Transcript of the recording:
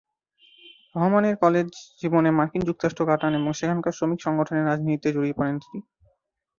রহমানের কলেজ জীবনে মার্কিন যুক্তরাষ্ট্র কাটান এবং সেখানকার শ্রমিক সংগঠনের রাজনীতিতে জড়িয়ে পড়েন তিনি।